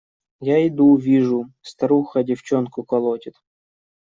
Я иду, вижу – старуха девчонку колотит.